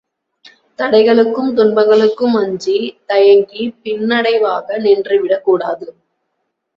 தடைகளுக்கும் துன்பங்களுக்கும் அஞ்சி தயங்கிப் பின்னடைவாக நின்று விடக்கூடாது.